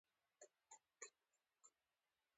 حرص، تربګني، ځانځاني او بدګوماني له منځه يوسم.